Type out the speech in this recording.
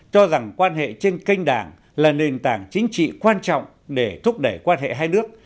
cho rằng quan hệ trên kênh đảng là nền tảng chính trị quan trọng để thúc đẩy quan hệ hai nước